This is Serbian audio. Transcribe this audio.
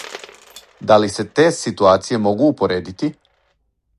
Да ли се те ситуације могу упоредити?